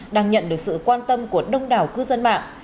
đang nhận được sự quan tâm của đông đảo cư dân mạng